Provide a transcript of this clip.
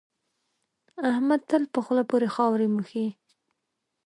احمد تل په خول پورې خاورې موښي.